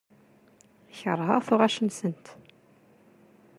Keṛheɣ tuɣac-nsent.